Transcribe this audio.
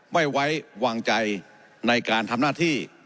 ไม่ไว้วางใจในการทำหน้าที่